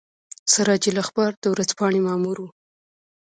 سراج الاخبار د ورځپاڼې مامور وو.